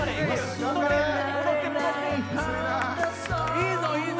いいぞいいぞ！